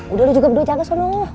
udah lu juga berdua jaga so loh